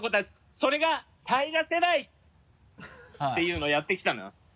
「それがＴＡＩＧＡ世代！」っていうのやってきたのよ。